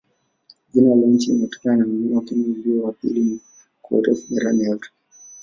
Jina la nchi limetokana na mlima Kenya, ulio wa pili kwa urefu barani Afrika.